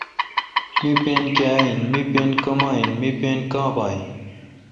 می پن کیا این۔۔می پین کما این۔۔می پن کاں بااین